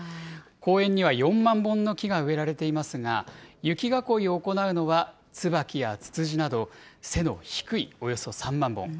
公園には４万本の木が植えられていますが、雪囲いを行うのは、ツバキやツツジなど背の低いおよそ３万本。